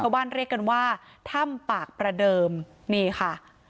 บ้านเรียกกันว่าถ้ำปากประเดิมนี่ค่ะ